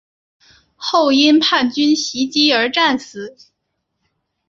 后因叛军袭击而战死。